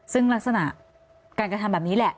ซึ่งลักษณะการกระทำแบบนี้แหละ